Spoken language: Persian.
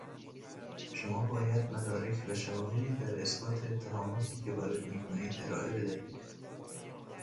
شما باید مدارک و شواهدی در اثبات اتهاماتی که وارد میکنید ارائه بدهید.